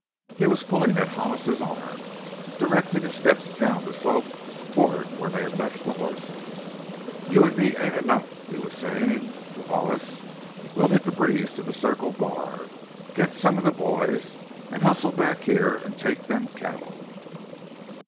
He was pulling at Hollis's arm, directing his steps down the slope toward where they had left the horses. "You an' me ain't enough," he was saying to Hollis; "we'll hit the breeze to the Circle Bar, get some of the boys, an' hustle back here an' take them cattle!"